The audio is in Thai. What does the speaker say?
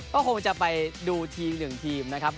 ก็คงจะไปดูทีมหนึ่งทีมนะครับ